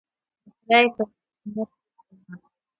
د خدائے پۀ ذات زمونږ پوخ ايمان دے